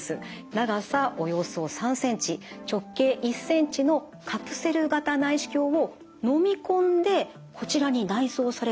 長さおよそ３センチ直径１センチのカプセル型内視鏡をのみ込んでこちらに内装されてます